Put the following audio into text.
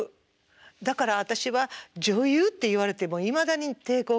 だから私は女優って言われてもいまだに抵抗がある。